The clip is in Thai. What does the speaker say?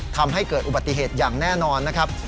ทำให้เกิดอุบัติเหตุอย่างแน่นอนนะครับ